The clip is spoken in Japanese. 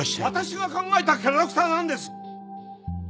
私が考えたキャラクターなんです！